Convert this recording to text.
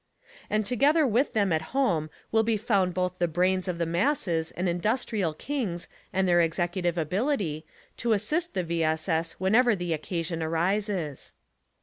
And together with them at home will be found both the brains of the masses and industrial kings and their executive ability, to assist the V. S. S. whenever the occasion arises.